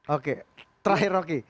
oke terakhir rocky